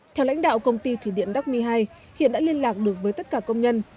theo lãnh đạo công ty thủy điện đắc my hai hiện đã liên lạc được với tất cả công nhân